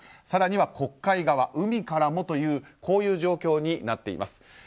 更に黒海側、海からもというこういう状況になっています。